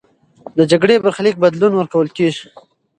د جګړې برخلیک بدلون ورکول کېږي.